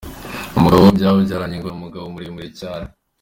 Umugabo babyaranye ngo ni umugabo muremure cyane.